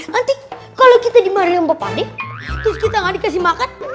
nanti kalo kita dimarahin sama pak pade terus kita gak dikasih makan